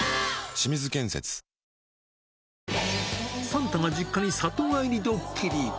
清水建設サンタが実家に里帰りドッキリ。